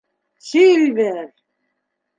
— Сильвер!